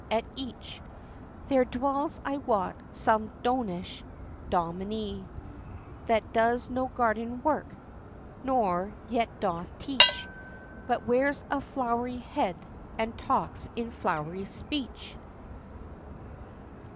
at each There dwells, I wot, some dronish Dominie, That does no garden work, nor yet doth teach, But wears a floury head, and talks in flow'ry speech!